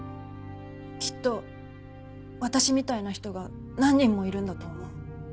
きっと私みたいな人が何人もいるんだと思う。